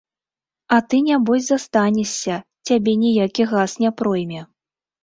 А ты нябось застанешся, цябе ніякі газ не пройме.